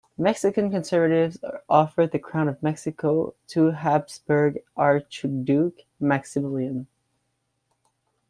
Mexican conservatives offered the crown of Mexico to Hapsburg archduke Maximilian.